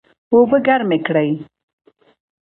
اوبه ګرمې کړئ